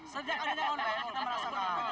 sejak adanya konten kita merasakan